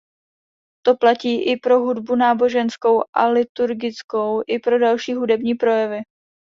To platí i pro hudbu náboženskou a liturgickou i pro další hudební projevy.